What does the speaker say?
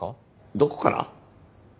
どこから？